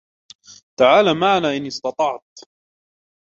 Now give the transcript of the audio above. تعال معنا إن استطعت.